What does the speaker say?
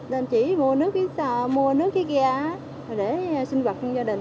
mình chỉ mua nước cái kia để sinh hoạt trong gia đình